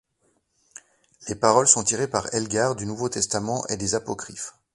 Les paroles sont tirées par Elgar du Nouveau Testament et des Apocryphes.